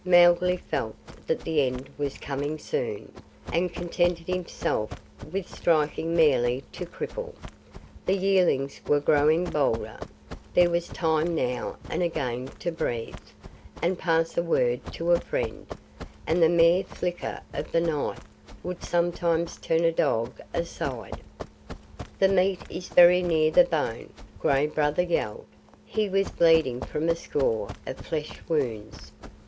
Mowgli felt that the end was coming soon, and contented himself with striking merely to cripple. The yearlings were growing bolder; there was time now and again to breathe, and pass a word to a friend, and the mere flicker of the knife would sometimes turn a dog aside. "The meat is very near the bone," Gray Brother yelled. He was bleeding from a score of flesh wounds.